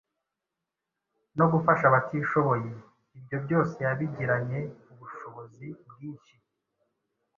no gufasha abatishoboye. Ibyo byose yabigiranye ubushobozi bwinshi